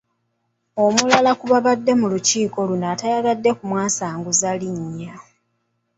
Omulala ku baabadde mu lukiiko luno ataayagadde kumwasanguza linnya.